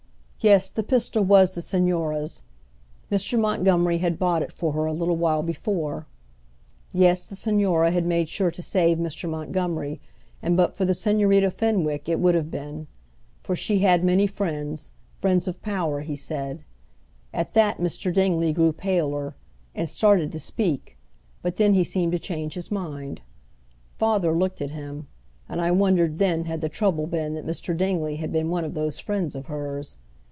Yes, the pistol was the Señora's. Mr. Montgomery had bought it for her a little while before. Yes, the Señora had made sure to save Mr. Montgomery and but for the Señorita Fenwick it would have been. For she had many friends, friends of power, he said. At that Mr. Dingley grew paler, and started to speak, but then he seemed to change his mind. Father looked at him, and I wondered then had the trouble been that Mr. Dingley had been one of those friends of hers.